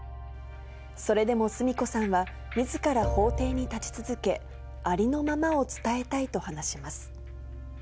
それでもスミ子さんは、みずから法廷に立ち続け、ありのままを伝えたいと話します。